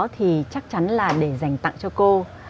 thì chắc chắn là để dành tặng cho cô